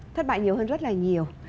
thất bại nhiều hơn rất là nhiều